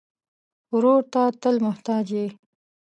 ورور ته تل محتاج یې.